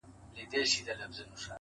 • جادوګر وي غولولي یې غازیان وي -